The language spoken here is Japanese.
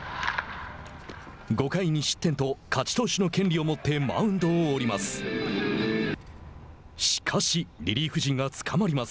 ５回２失点と勝ち投手の権利を持ってマウンドを降ります。